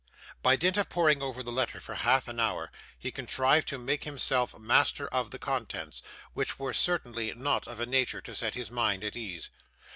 By dint of poring over the letter for half an hour, he contrived to make himself master of the contents, which were certainly not of a nature to set his mind at ease.